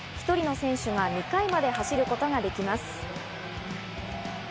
１人の選手が２回まで走ることができます。